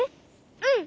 うん。